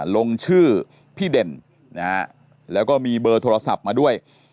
ลงชื่อพี่เด่นแล้วก็มีเบอร์โทรศัพท์มาด้วย